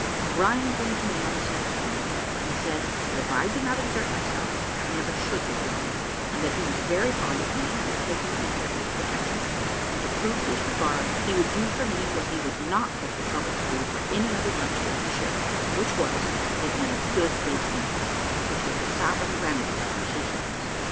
O'Brien came to me on the seventh morning, and said, that if I did not exert myself I never should get well, that he was very fond of me, and had taken me under his protection, and to prove his regard, he would do for me what he would not take the trouble to do for any other youngster in the ship, which was, to give me a good basting, which was a sovereign remedy for sea sickness.